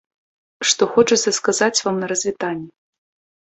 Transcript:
Што хочацца сказаць вам на развітанне.